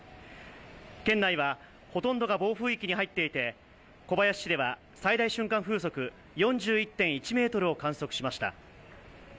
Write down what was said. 県内は、ほとんどが暴風域に入っていて、小林市では最大瞬間風速４１．１メートルを観測しました。